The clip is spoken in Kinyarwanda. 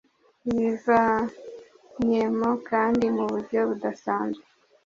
ibivanyemo kandi mu buryo budasanzwe